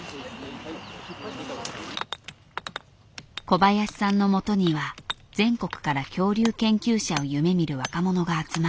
小林さんのもとには全国から恐竜研究者を夢みる若者が集まる。